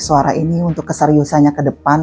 suara ini untuk keseriusannya ke depan